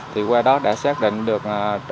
thì qua đó đã xác định được